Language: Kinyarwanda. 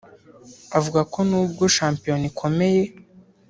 avuga ko n’ubwo shampiyona ikomeye